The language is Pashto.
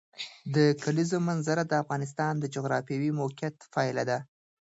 د کلیزو منظره د افغانستان د جغرافیایي موقیعت پایله ده.